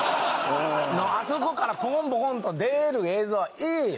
あそこからポコンポコンと出る映像はええよ